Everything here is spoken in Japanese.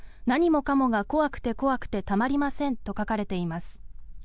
何もかもが怖くて怖くてたまりませんと書かれています。